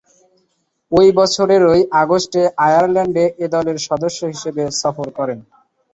ঐ বছরেরই আগস্টে আয়ারল্যান্ডে এ দলের সদস্য হিসেবে সফর করেন।